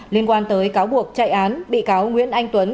liên quan tới cáo buộc chạy án bị cáo nguyễn anh tuấn